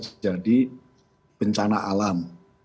salah satunya adalah terjadi bencana alam